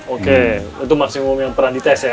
oke itu maksimum yang pernah dites ya